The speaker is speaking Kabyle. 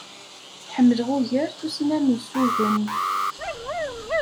Ḥemmleɣ ugar tussna n ussugen.